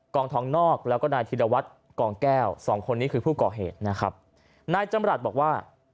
องทองนอกแล้วก็นายธิรวัตรกองแก้วสองคนนี้คือผู้ก่อเหตุนะครับนายจำรัฐบอกว่า